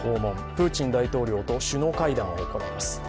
プーチン大統領と首脳会談を行います。